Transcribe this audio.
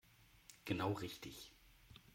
Genau richtig.